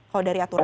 kalau dari aturan